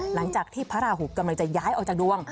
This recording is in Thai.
หลังจากที่พระราหูกำลังจะย้ายออกจากดวง